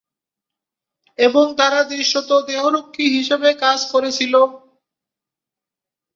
এবং তারা দৃশ্যত দেহরক্ষী হিসাবে কাজ করেছিল।